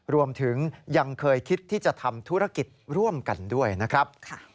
รวมถึงยังเคยคิดที่จะทำธุรกิจร่วมกันด้วยนะครับ